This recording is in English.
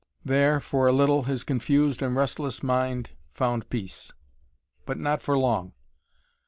There, for a little, his confused and restless mind found peace. But not for long.